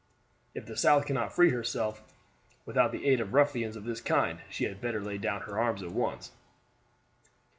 If the South cannot free herself without the aid of ruffians of this kind she had better lay down her arms at once."